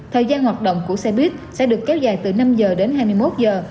thời gian hoạt động của xe buýt sẽ được kéo dài từ năm giờ đến hai mươi một giờ